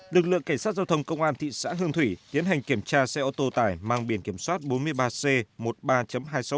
lực lượng cảnh sát giao thông công an thị xã hương thủy tiến hành kiểm tra xe ô tô tải mang biển kiểm soát bốn mươi ba c một mươi ba hai trăm sáu mươi bảy